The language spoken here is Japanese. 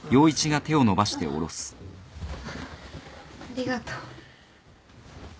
ありがとう。